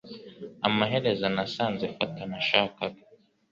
Amaherezo nasanze ifoto nashakaga.